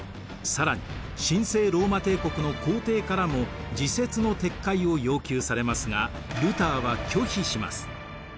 更に神聖ローマ帝国の皇帝からも自説の撤回を要求されますがルターは拒否します。